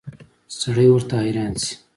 سړی ورته حیران شي.